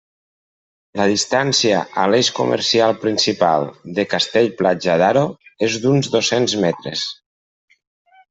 La distància a l'eix comercial principal de Castell-Platja d'Aro és d'uns dos-cents metres.